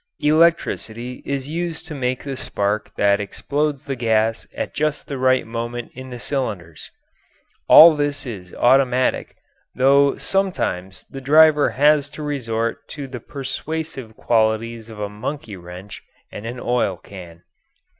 Electricity is used to make the spark that explodes the gas at just the right moment in the cylinders. All this is automatic, though sometimes the driver has to resort to the persuasive qualities of a monkey wrench and an oil can.